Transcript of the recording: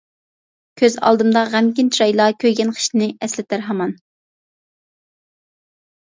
كۆز ئالدىمدا غەمكىن چىرايلار كۆيگەن خىشنى ئەسلىتەر ھامان.